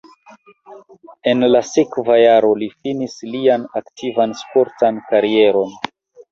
En la sekva jaro li finis lian aktivan sportan karieron.